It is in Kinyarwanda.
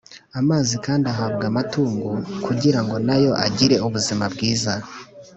amazi kandi ahabwa amatungo kugira ngo na yo agire ubuzima bwiza.